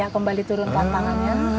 kembali turunkan tangannya